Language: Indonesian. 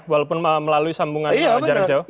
walaupun melalui sambungan jarak jauh